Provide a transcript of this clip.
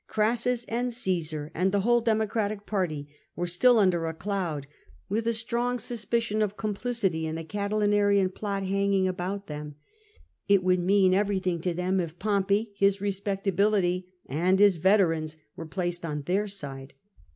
Orassus and Caesar and the whole Democratic party were still under a cloud, with a strong suspicion of complicity in the Catilinarian plot hanging about them. It would mean everything to them if Pompey, his re spectability, and his veterans were placed on their side.